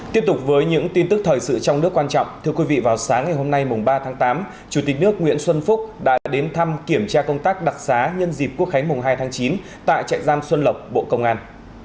tiếp tục với những tin tức thời sự trong nước quan trọng thưa quý vị vào sáng ngày hôm nay mùng ba tháng tám chủ tịch nước nguyễn xuân phúc đã đến thăm kiểm tra công tác đặc xá nhân dịp quốc khánh mùng hai tháng chín tại trại giam xuân lộc bộ công an